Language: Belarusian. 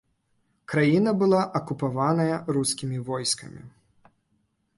Краіна была акупаваная рускімі войскамі.